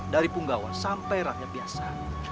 dari punggawan sampai rakyat biasa